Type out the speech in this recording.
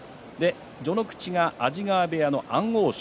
序ノ口は安治川部屋の安大翔。